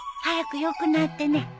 早く良くなってね。